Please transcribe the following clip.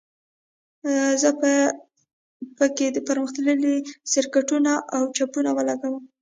زه به په کې پرمختللي سرکټونه او چپونه ولګوم